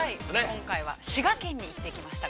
◆今回は滋賀県に行ってきました。